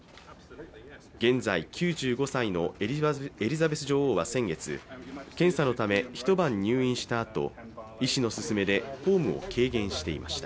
現在９５歳のエリザベス女王は先月検査のため一晩入院したあと、医師の勧めで公務を軽減していました。